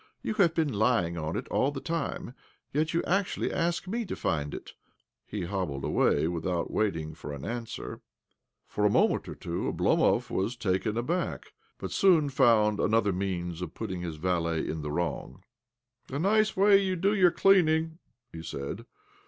You have been lying on it all the time, yet you actually ask me to find it 1 " He hobbled away with out waiting for an answer. For a rnoment or two Oblomov was taken aback, but soon found another means of putting hi^s valet in the wrong. " A nice way to do your cleaning I " he said.